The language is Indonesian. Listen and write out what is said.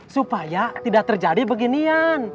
supaya tidak terjadi beginian